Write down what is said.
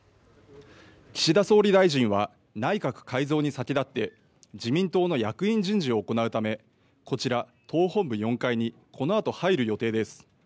岸田総理大臣は内閣改造に先立って自民党の役員人事を行うため、こちら党本部４階にこのあと入る予定です。